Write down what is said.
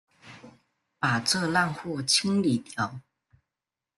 把这烂货清理掉！